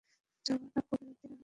জনাব কবির উদ্দিন আহমদ।